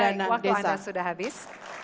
waktu anda sudah habis